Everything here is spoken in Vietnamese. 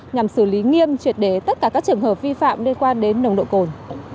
nhằm xử lý nghiêm truyệt đế tất cả các trường hợp vi phạm liên quan đến nồng độ cồn